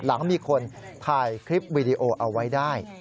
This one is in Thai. หลังมีคนถ่ายคลิปวีดีโอเอาไว้ได้